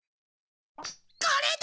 これだ！